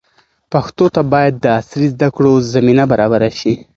پښتنو ته باید د عصري زده کړو زمینه برابره شي.